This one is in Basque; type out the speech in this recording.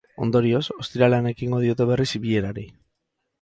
Ondorioz, ostiralean ekingo diote berriz bilerari.